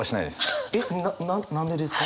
えっな何でですか？